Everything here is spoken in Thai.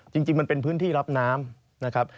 จริงมันเป็นพื้นที่รับน้ำนะครับ